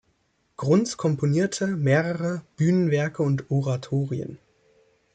Gruntz komponierte mehrere Bühnenwerke und Oratorien.